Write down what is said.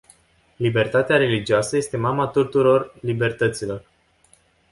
Libertatea religioasă este mama tuturor libertăților.